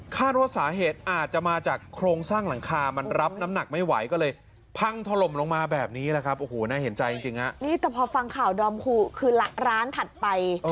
ว่าสาเหตุอาจจะมาจากโครงสร้างหลังคามันรับน้ำหนักไม่ไหวก็เลยพังถล่มลงมาแบบนี้แหละครับโอ้โหน่าเห็นใจจริงฮะนี่แต่พอฟังข่าวดอมขู่คือร้านถัดไป